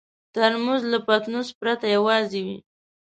ترموز له پتنوس پرته یوازې وي.